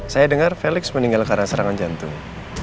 saya dengar felix meninggal karena serangan jantung